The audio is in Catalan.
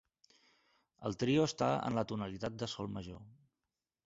El Trio està en la tonalitat de sol major.